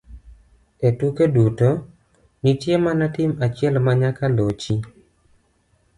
E tuke duto, nitie mana tim achiel ma nyaka lochi